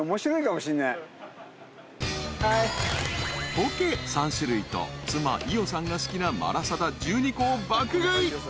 ［ポケ３種類と妻伊代さんが好きなマラサダ１２個を爆買い］